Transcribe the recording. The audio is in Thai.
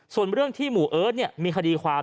ส่วนเรื่องที่หมู่เอิร์ทมีคดีความ